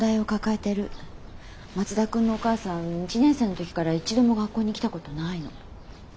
松田君のお母さん１年生の時から一度も学校に来たことないの。